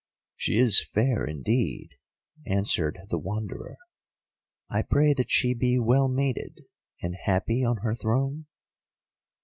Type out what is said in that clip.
"She is fair indeed," answered the Wanderer. "I pray that she be well mated and happy on her throne?"